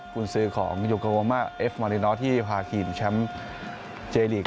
ฝุ่นสือของยูโกโวม่าเอฟมอรินอทที่พาทีมแชมป์เจรียร์ลีก